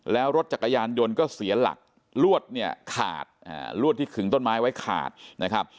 แล้วรถจักรยานยนต์ก็เสียหลักลวดเนี่ยขาดลวดที่ขึงต้นไม้ไว้ขาดนะครับ